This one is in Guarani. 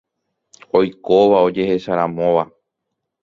Oikóva ojehecharamóva.